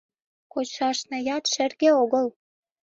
Кочшашнаят шерге огыл.